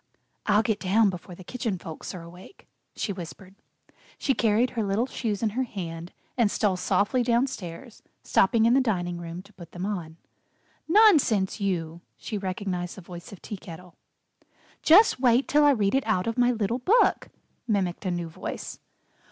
"I'll get down before the Kitchen Folks are awake," she whispered. She carried her little shoes in her hand and stole softly downstairs, stopping in the dining room to put them on. "Nonsense, you!" she recognized the voice of Tea Kettle. "Just wait till I read it out of my little book," mimicked a new voice.